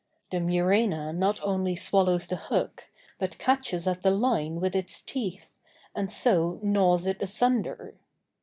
The muræna not only swallows the hook, but catches at the line with its teeth, and so gnaws it asunder.